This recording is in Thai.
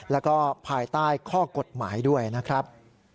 แล้วก็ภายใต้ข้อกฎหมายด้วยนะครับ